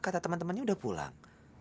kata temen temennya udah pulang